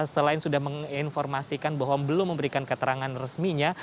selain sudah menginformasikan bahwa belum memberikan keterangan resminya